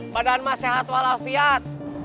badan ma sehat walafiat